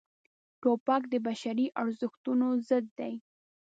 توپک د بشري ارزښتونو ضد دی.